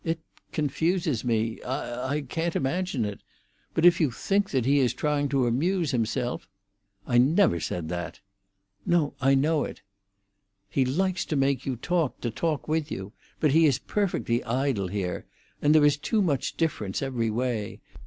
It—confuses me. I—I can't imagine it. But if you think that he is trying to amuse himself——" "I never said that!" "No, I know it." "He likes to make you talk, and to talk with you. But he is perfectly idle here, and—there is too much difference, every way.